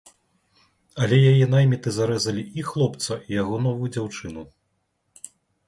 Але яе найміты зарэзалі і хлопца, і яго новую дзяўчыну.